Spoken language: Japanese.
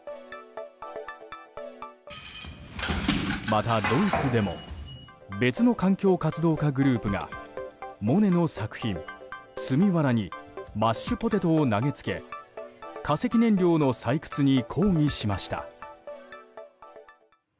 また、ドイツでも別の環境活動家グループがモネの作品「積みわら」にマッシュポテトを投げつけ化石燃料の採掘に抗議しました。